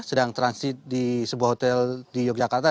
sedang transit di sebuah hotel di yogyakarta